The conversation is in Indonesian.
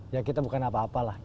ya kita bukan apa apa lah